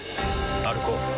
歩こう。